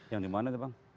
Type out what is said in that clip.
yang di mana itu bang